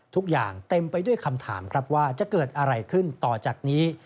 ทุกอย่างเต็มไปด้วยคำถามว่าจะเกิดอะไรขึ้นต่อจากนี้